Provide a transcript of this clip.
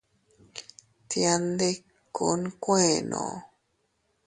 Tiandikku nkuenno.